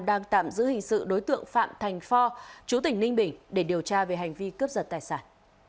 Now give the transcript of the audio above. đang tạm giữ hình sự đối tượng phạm thành phò chú tỉnh ninh bình để điều tra về hành vi cướp giật tài sản